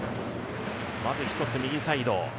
まずは右サイド。